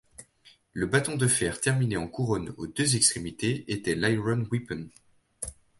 Le bâton de fer terminé en couronne aux deux extrémités était l’iron-weapon.